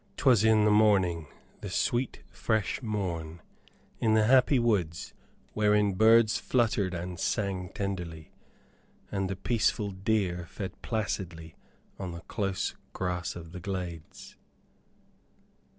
'Twas in the morning, the sweet fresh morn, in the happy woods, wherein birds fluttered and sang tenderly, and the peaceful deer fed placidly on the close grass of the glades.